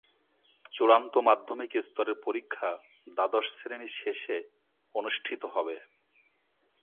চূড়ান্ত মাধ্যমিক স্তরের পরীক্ষা দ্বাদশ শ্রেণির শেষে অনুষ্ঠিত হবে।